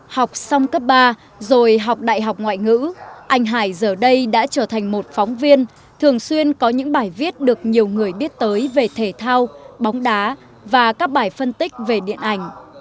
học xong cấp ba rồi học đại học ngoại ngữ anh hải giờ đây đã trở thành một phóng viên thường xuyên có những bài viết được nhiều người biết tới về thể thao bóng đá và các bài phân tích về điện ảnh